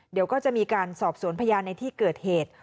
เดี๋ยวก็จะมีการสอบสวนพยานในที่เกิดเหตุ